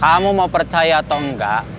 kamu mau percaya atau enggak